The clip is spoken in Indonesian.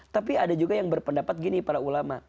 tapi ada juga yang berpendapat gini para ulama